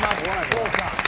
そうか。